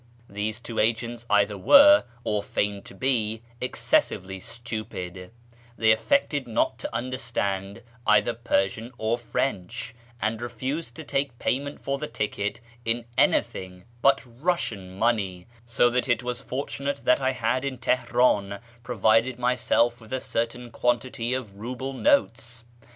These two agents either were, or feigned to be, excessively stupid ; they affected not to understand either Persian or French, and refused to take payment for the ticket in anything but Russian money, so that it was fortunate that I had in Teheran provided myself with a certain quantity of rouble notes.